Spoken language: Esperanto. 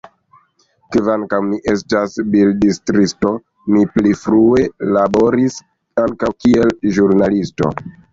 Kvankam mi estas bildstriisto, mi pli frue laboris ankaŭ kiel ĵurnalisto.